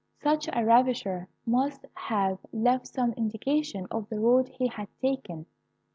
Such a ravisher must have left some indications of the road he had taken.